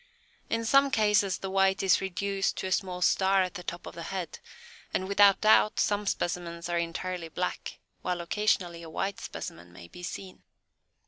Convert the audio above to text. In some cases the white is reduced to a small "star" at the top of the head, and without doubt some specimens are entirely black, while occasionally a white specimen may be seen.